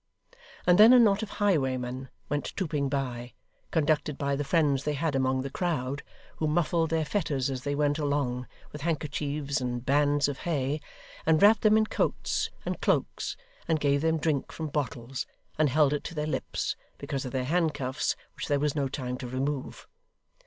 And then a knot of highwaymen went trooping by, conducted by the friends they had among the crowd, who muffled their fetters as they went along, with handkerchiefs and bands of hay, and wrapped them in coats and cloaks, and gave them drink from bottles, and held it to their lips, because of their handcuffs which there was no time to remove.